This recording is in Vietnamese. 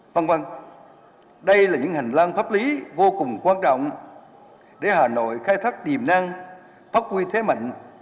vâng vâng đây là những hành lang pháp lý vô cùng quan trọng để hà nội khai thác điềm năng phát huy thế mạnh